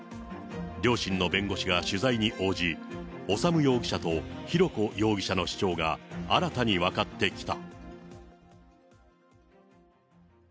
両親の弁護士が取材に応じ、修容疑者と浩子容疑者の主張が新たに分かってきた。